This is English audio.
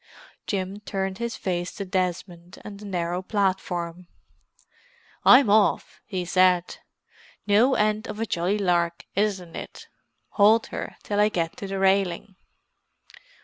Jim turned his face to Desmond on the narrow platform. "I'm off!" he said. "No end of a jolly lark, isn't it? Hold her till I get on the railing."